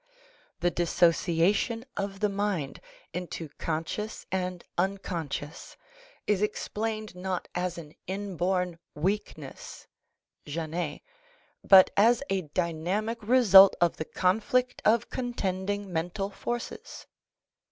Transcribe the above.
The dissociation of the mind into conscious and unconscious is explained not as an inborn weakness (Janet) but as a dynamic result of the conflict of contending mental forces.